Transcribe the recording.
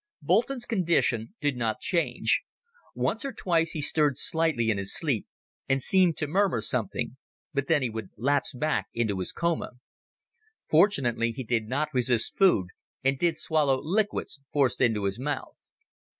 Boulton's condition did not change. Once or twice he stirred slightly in his sleep, and seemed to murmur something, but then he would lapse back into his coma. Fortunately he did not resist food, and did swallow liquids forced into his mouth.